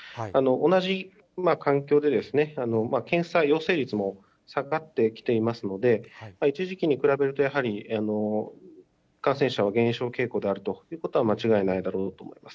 同じ環境で検査陽性率も下がってきていますので、一時期に比べると、やはり感染者は減少傾向であるということは間違いないだろうと思います。